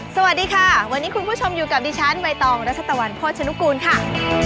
สวัสดีค่ะวันนี้คุณผู้ชมอยู่กับดิฉันใบตองรัชตะวันโภชนุกูลค่ะ